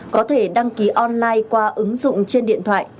có thể đăng ký online qua ứng dụng trên điện thoại